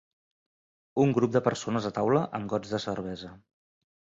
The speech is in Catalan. Un grup de persones a taula amb gots de cervesa.